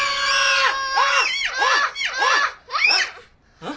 あっ？